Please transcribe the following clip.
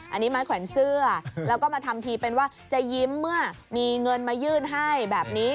อันนี้ไม้แขวนเสื้อแล้วก็มาทำทีเป็นว่าจะยิ้มเมื่อมีเงินมายื่นให้แบบนี้